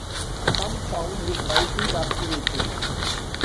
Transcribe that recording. Some found his writing captivating.